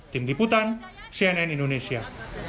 tim diputan cnn indonesia